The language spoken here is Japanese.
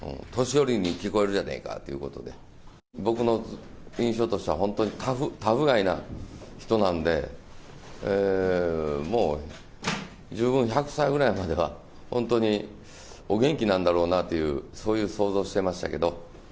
年寄りに聞こえるじゃないかということで、僕の印象としては、本当にタフガイな人なんで、もう十分１００歳ぐらいまでは、本当にお元気なんだろうなという、そういう想像してましたけど。